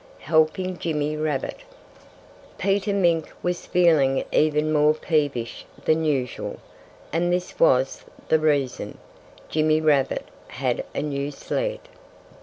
HELPING JIMMY RABBIT Peter Mink was feeling even more peevish than usual. And this was the reason: Jimmy Rabbit had a new sled.